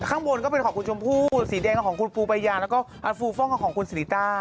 ข้างบนก็เป็นของคุณชมพู่สีแดงของคุณปูปายาแล้วก็ฟูฟ่องของคุณสิริต้า